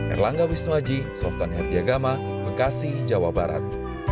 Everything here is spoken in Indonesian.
erlangga wisnuaji softan herdiagama bekasi jawa barat